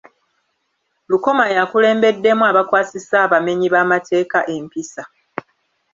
Lukoma yakulembeddemu abakwasisa abamenyi bamateeka empisa.